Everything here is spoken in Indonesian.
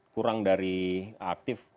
kurang dari aktif